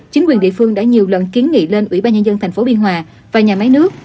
chính quyền địa phương đã nhiều lần kiến nghị lên ủy ban nhân dân tp biên hòa và nhà máy nước